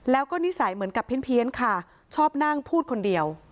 แล้วก็นิสัยเหมือนกับเพี้ยนค่ะชอบนั่งพูดคนเดียว